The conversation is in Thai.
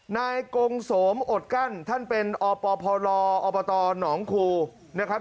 นายกงโสมอดกั้นท่านเป็นอปพลอบตหนองคูนะครับ